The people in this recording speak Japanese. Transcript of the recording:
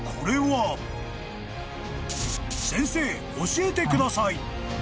［先生教えてください］